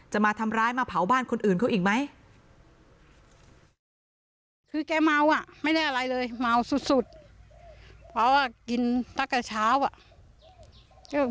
จะมาทำร้ายมาเผาบ้านคนอื่นเขาอีกไหม